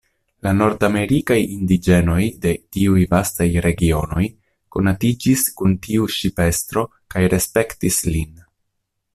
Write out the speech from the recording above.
La nordamerikaj indiĝenoj de tiuj vastaj regionoj konatiĝis kun tiu ŝipestro kaj respektis lin.